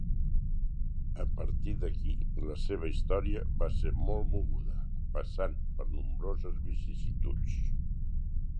A partir d'aquí la seva història va ser molt moguda, passant per nombroses vicissituds.